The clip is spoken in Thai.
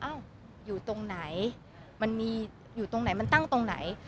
อยู่ตรงไหนมันมีอยู่ตรงไหนมันตั้งตรงไหน